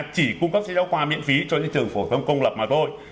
chỉ cung cấp sách giáo khoa miễn phí cho những trường phổ thông công lập mà thôi